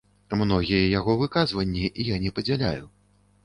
Многія яго выказванні я не падзяляю.